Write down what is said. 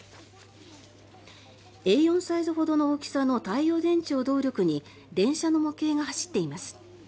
Ａ４サイズほどの大きさの太陽電池を動力に電車の模型が走っています。